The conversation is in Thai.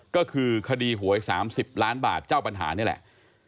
ก็คือคดีหวย๓๐ล้านบาทเจ้าปัญหานี่แหละ